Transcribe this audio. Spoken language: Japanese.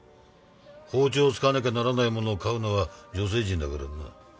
包丁を使わなきゃならないものを買うのは女性陣だからな。